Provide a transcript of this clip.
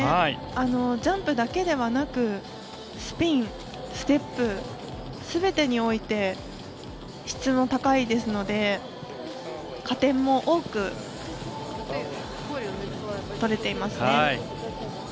ジャンプだけではなくスピン、ステップすべてにおいて質が高いですので加点も多くとれています。